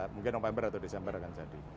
mungkin november atau desember akan jadi